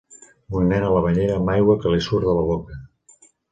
Un nen a la banyera amb aigua que li surt de la boca.